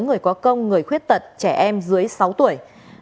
người có công người khuyết tật trẻ em dưới sáu tuổi